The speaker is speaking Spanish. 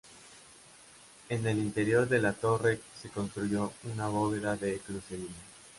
En el interior de la torre se construyó una bóveda de crucería.